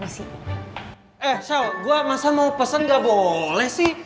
eh so gue masa mau pesen gak boleh sih